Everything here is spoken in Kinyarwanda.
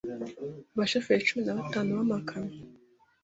abashoferi cumi nabatanu b’amakamyo